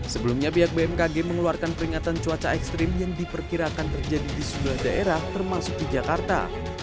sebelumnya pihak bmkg mengeluarkan peringatan cuaca ekstrim yang diperkirakan terjadi di sebelah daerah termasuk di jakarta